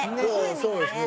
そうですね。